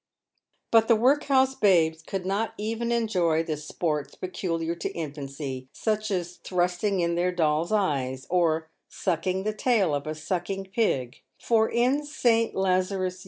But the workhouse babes could not even enjoy the sports peculiar to infancy, such as thrusting in their dolls' eyes, or sucking the tail of a sucking pig; for in St. Lazarus' s.